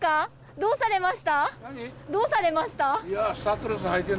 どうされました？